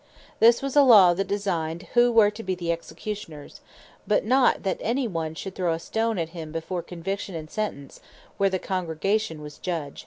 This was a Law that designed who were to be the Executioners; but not that any one should throw a Stone at him before Conviction and Sentence, where the Congregation was Judge.